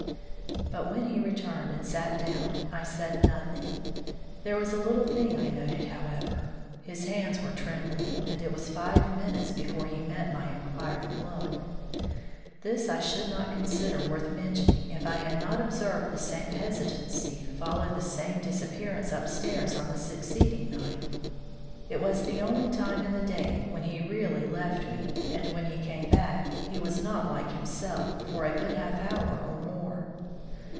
But when he returned and sat down I said nothing. There was a little thing I noted, however. His hands were trembling, and it was five minutes before he met my inquiring look. This I should not consider worth mentioning if I had not observed the same hesitancy follow the same disappearance up stairs on the succeeding night. It was the only time in the day when he really left me, and, when he came back, he was not like himself for a good half hour or more.